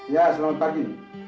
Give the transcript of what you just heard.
ya selamat pagi